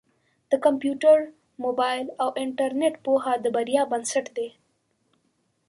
د کمپیوټر، مبایل او انټرنېټ پوهه د بریا بنسټ دی.